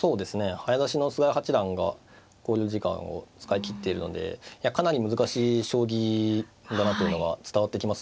早指しの菅井八段が考慮時間を使い切っているのでかなり難しい将棋だなというのは伝わってきますね。